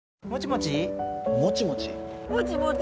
もちもち